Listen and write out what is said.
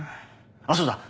あそうだ！